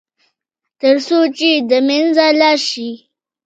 تر څو چې د منځه لاړ شي.